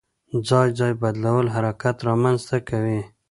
ځای بدلول حرکت رامنځته کوي.